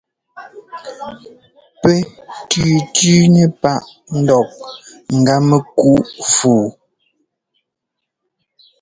Pɛ́ tʉ́tʉ́nɛ́ páꞌ ńdɔk ŋ́gá mɛkuꞌ fɔɔ.